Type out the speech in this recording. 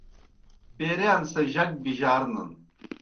پیرِیان سہ جک بِجارنَن۔